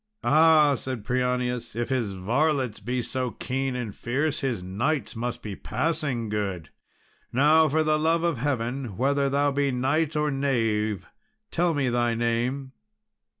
"Ah," said Prianius, "if his varlets be so keen and fierce, his knights must be passing good! Now, for the love of heaven, whether thou be knight or knave, tell me thy name."